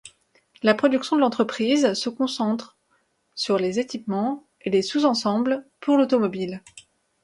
La production de l’entreprise se recentre sur les équipements et sous-ensembles pour l’automobile.